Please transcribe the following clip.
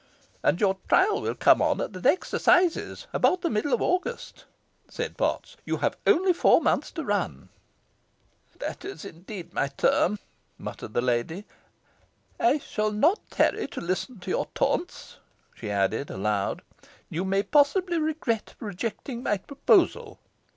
"And your trial will come on at the next assizes, about the middle of August," said Potts, "You have only four months to run." "That is indeed my term," muttered the lady. "I shall not tarry to listen to your taunts," she added, aloud. "You may possibly regret rejecting my proposal."